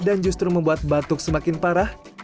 dan justru membuat batuk semakin parah